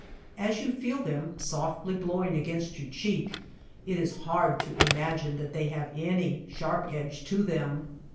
As you feel them softly blowing against your cheek it is hard to imagine that they have any sharp edge to them.